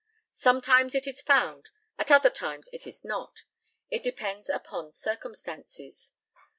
Sometimes it is found, at other times it is not. It depends upon circumstances.